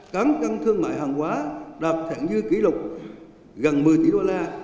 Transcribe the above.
cán cân thương mại hàng hóa đạt thẳng dư kỷ lục gần một mươi tỷ đô la